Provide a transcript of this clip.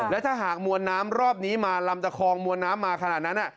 และถ้าหากมวลน้ำรอบนี้มาลำตะคองมวลน้ำมาขนาดนั้น